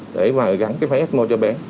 để mà gắn cái máy ecmo cho bé